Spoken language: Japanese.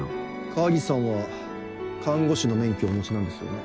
川岸さんは看護師の免許をお持ちなんですよね？